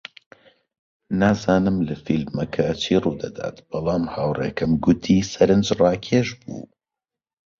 نازانم لە فیلمەکە چی ڕوودەدات، بەڵام هاوڕێکەم گوتی سەرنجڕاکێش بوو.